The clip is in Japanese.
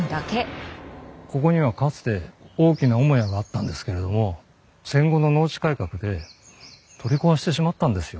ここにはかつて大きな主屋があったんですけれども戦後の農地改革で取り壊してしまったんですよ。